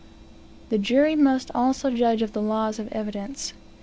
The jury must also judge of the laws of evidence.